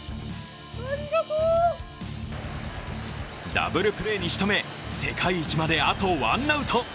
ダブルプレーに仕留め、世界一まであとワンアウト。